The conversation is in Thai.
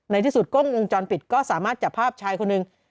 ในที่สุดกล้องวงจรปิดก็สามารถจับภาพชายคนหนึ่ง